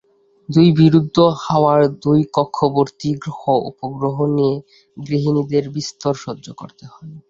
দুই বিরুদ্ধ হাওয়ার দুইকক্ষবর্তী গ্রহ-উপগ্রহ নিয়ে গৃহিণীদের বিস্তর সহ্য করতে হয়।